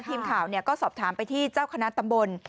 ทีมข่าวก็สอบถามไปที่เจ้าคณะตำบล